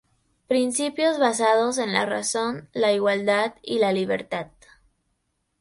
Principios basados en la razón, la igualdad y la libertad.